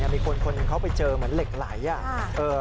มีคนเขาไปเจอเหมือนเหล็กไหล่